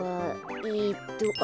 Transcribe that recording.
えっとあっ。